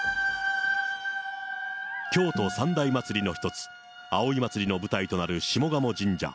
京都三大祭りの一つ、葵祭の舞台となる下鴨神社。